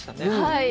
はい。